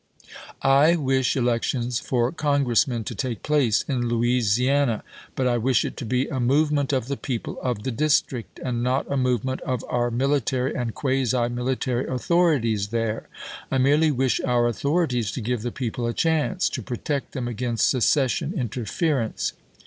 I wish elections for Congressmen to take place in Loui siana ; but I wish it to be a movement of the people of the district, and not a movement of our military and quasi military authorities there. I merely wish our authorities to give the people a chance — to protect them against seces sion interference.